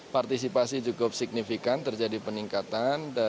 partisipasi cukup signifikan terjadi peningkatan